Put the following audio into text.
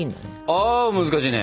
あ難しいね！